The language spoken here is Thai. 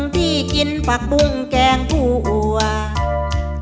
ที่กินปักบุงแกงพรูอวก